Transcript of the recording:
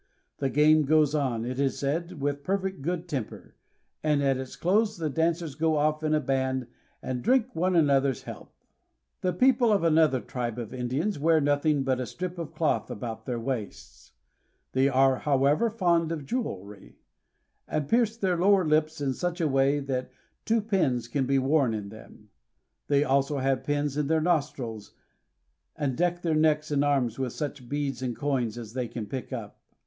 The game goes on, it is said, with perfect good temper, and at its close the dancers go off in a band and drink one another's health. The people of another tribe of Indians wear nothing but a strip of cloth about their waists. They are, however, fond of jewelry, and pierce their lower lips in such a way that two pins can be worn in them. They also have pins in their nostrils, and deck their necks and arms with such beads and coins as they can pick up.